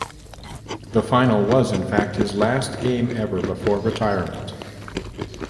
The final was, in fact, his last game ever before retirement.